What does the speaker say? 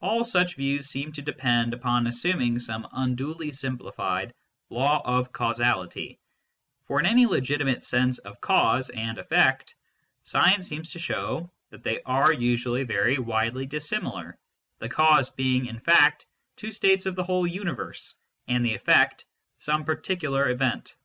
All such views seem to depend upon assuming some unduly simplified law of causality ; for, in any legitimate sense of " cause " and " effect," science seems to show that they are usually very widely dissimilar, the " cause " being, in fact, two states of the whole universe, and the " effect " some particular event.